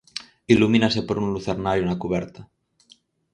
Ilumínase por un lucernario na cuberta.